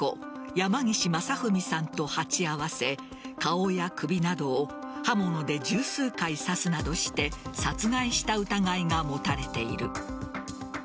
山岸正文さんと鉢合わせ顔や首などを刃物で十数回刺すなどして殺害した疑いが持たれている。